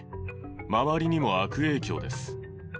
周りにも悪影響です。